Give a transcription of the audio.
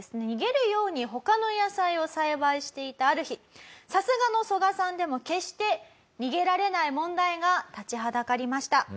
逃げるように他の野菜を栽培していたある日さすがのソガさんでも決して逃げられない問題が立ちはだかりました。